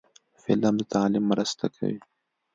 فلم د تعلیم مرسته کوي